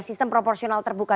sistem proporsional terbuka